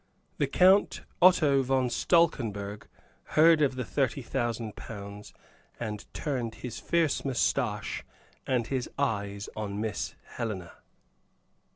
The Count Otto von Stalkenberg heard of the thirty thousand pounds, and turned his fierce moustache and his eyes on Miss Helena.